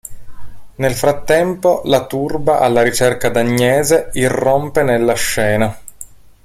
Nel frattempo la turba alla ricerca d'Agnese irrompe nella scena.